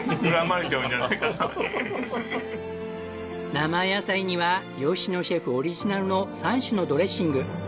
生野菜には野シェフオリジナルの３種のドレッシング。